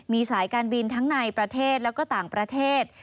มีสายการบินทั้งในประเทศแล้วก็ต่างประเทศ